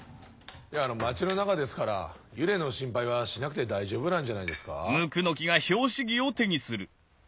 街の中ですから幽霊の心配はしなくて大丈夫なんじゃないですか？